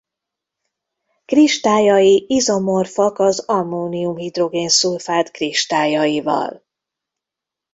Kristályai izomorfak az ammónium-hidrogénszulfát kristályaival.